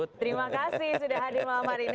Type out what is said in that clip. terima kasih sudah hadir malam hari ini